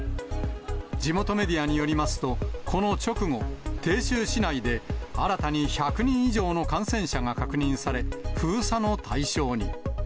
地元メディアによりますと、この直後、鄭州市内で新たに１００人以上の感染者が確認され、封鎖の対象に。